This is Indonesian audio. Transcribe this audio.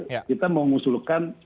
namun kita mau mengusulkan